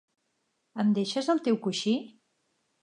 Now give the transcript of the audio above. Em deixes el teu coixí?